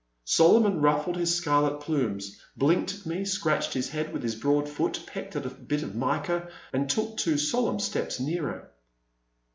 Solomon ruffled his scarlet plumes, blinked at me, scratched his head with his broad foot, pecked at a bit of mica, and took two solemn steps nearer.